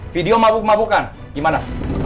video mabuk mabukan gimana